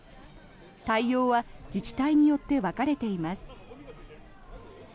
対応は自治体によって分かれています。